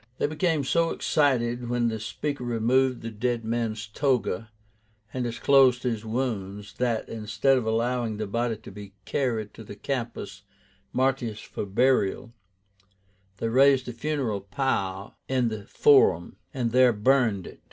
They became so excited when the speaker removed the dead man's toga, and disclosed his wounds, that, instead of allowing the body to be carried to the Campus Martius for burial, they raised a funeral pile in the Forum, and there burned it.